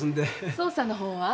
捜査の方は？